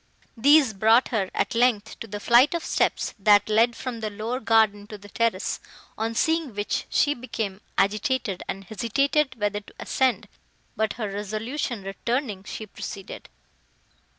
These brought her, at length, to the flight of steps, that led from the lower garden to the terrace, on seeing which, she became agitated, and hesitated whether to ascend, but, her resolution returning, she proceeded.